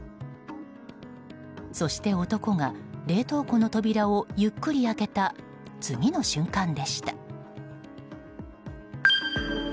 そして男が冷凍庫の扉をゆっくり開けた次の瞬間でした。